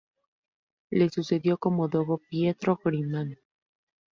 Le sucedió como dogo Pietro Grimani.